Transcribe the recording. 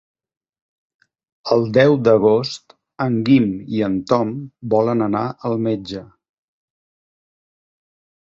El deu d'agost en Guim i en Tom volen anar al metge.